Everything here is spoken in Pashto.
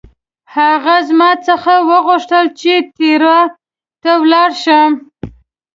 هغه زما څخه وغوښتل چې تیراه ته ولاړ شم.